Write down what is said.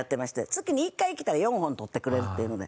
月に１回来たら４本撮ってくれるっていうので。